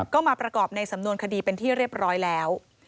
ก็มาประกอบในสำนวนคดีเป็นที่เรียบร้อยแล้ว